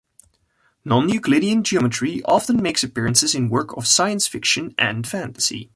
Non-Euclidean geometry often makes appearances in works of science fiction and fantasy.